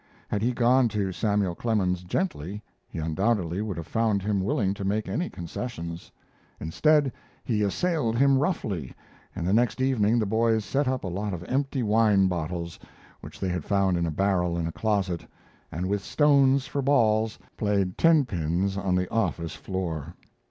Had he gone to Samuel Clemens gently, he undoubtedly would have found him willing to make any concessions. Instead, he assailed him roughly, and the next evening the boys set up a lot of empty wine bottles, which they had found in a barrel in a closet, and, with stones for balls, played tenpins on the office floor.